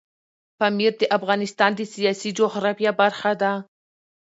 پامیر د افغانستان د سیاسي جغرافیه برخه ده.